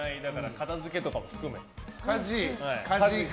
片付けとかも含め。